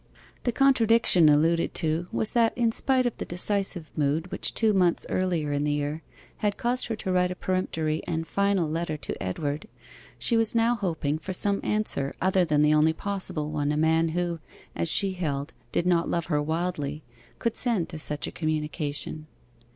The contradiction alluded to was that in spite of the decisive mood which two months earlier in the year had caused her to write a peremptory and final letter to Edward, she was now hoping for some answer other than the only possible one a man who, as she held, did not love her wildly, could send to such a communication.